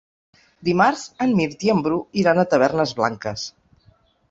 Dimarts en Mirt i en Bru iran a Tavernes Blanques.